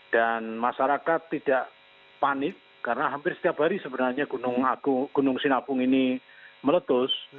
dan masyarakat tidak panik karena hampir setiap hari sebenarnya gunung sinabung ini meletus